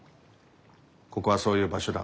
ここはそういう場所だ。